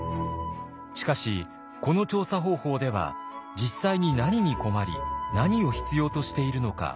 しかしこの調査方法では実際に何に困り何を必要としているのか見えてきませんでした。